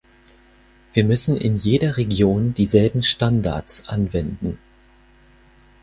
Wir müssen in jeder Region dieselben Standards anwenden.